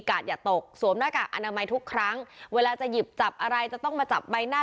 อย่าตกสวมหน้ากากอนามัยทุกครั้งเวลาจะหยิบจับอะไรจะต้องมาจับใบหน้า